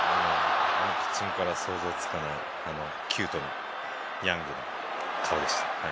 あのピッチングから想像がつかないキュートな、ヤングな顔でした。